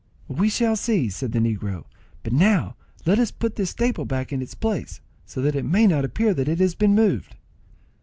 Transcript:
"We shall see," said the negro; "but now let us put this staple back in its place, so that it may not appear that it has been moved."